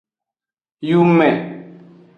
Yume.